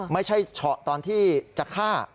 ไม่ใช่ชะตอนที่จะฆ่า